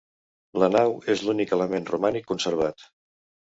La nau és l'únic element romànic conservat.